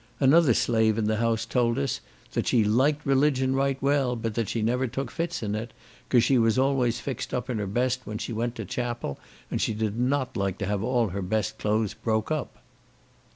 Another slave in the house told us, that she "liked religion right well, but that she never took fits in it, 'cause she was always fixed in her best, when she went to chapel, and she did not like to have all her best clothes broke up."